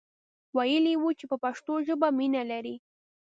ویلی وو چې په پښتو ژبه مینه لري.